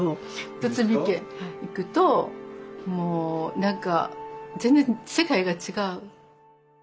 堤家行くともう何か全然世界が違う。